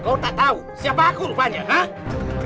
kau tak tahu siapa aku rupanya ha